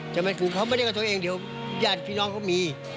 จะรึมีติดตาม